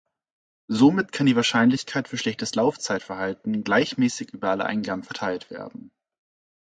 Somit kann die Wahrscheinlichkeit für schlechtes Laufzeitverhalten gleichmäßig über alle Eingaben verteilt werden.